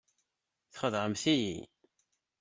Txedɛemt-iyi.